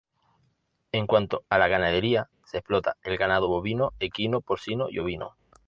En cuanto a la ganadería, se explota el ganado bovino, equino, porcino y ovino.